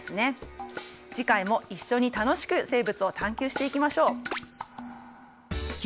次回も一緒に楽しく生物を探究していきましょう。